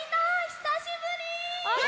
ひさしぶり！